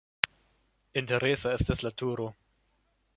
Interesa estas la turo.